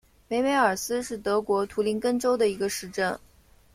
梅梅尔斯是德国图林根州的一个市镇。